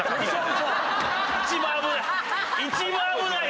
一番危ない。